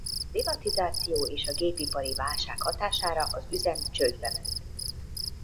A privatizáció és a gépipari válság hatására az üzem csődbe ment.